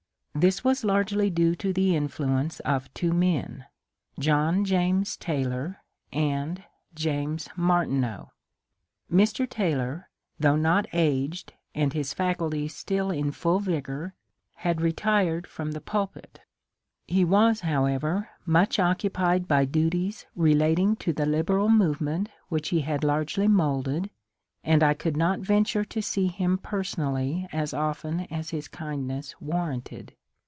This was largely due to the influ ence of two men, — John James Taylor and James Mar tineau. Mr. Taylor, though not aged and his faculties still in full vigour, had retired from the pulpit ; he was, however, much occupied by duties relating to the liberal movement which he had largely moulded, and I could not venture to see him per sonally as often as his kindness warranted.